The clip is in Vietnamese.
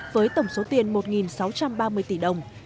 với tổng số tiền một sáu trăm ba mươi tỷ đồng